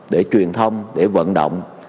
để truyền thông để vận động